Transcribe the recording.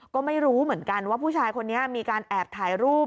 ก็ไม่รู้เหมือนกันว่าผู้ชายคนนี้มีการแอบถ่ายรูป